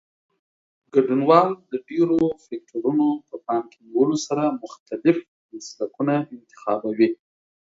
ګډونوال د ډېرو فکټورونو په پام کې نیولو سره مختلف مسلکونه انتخابوي.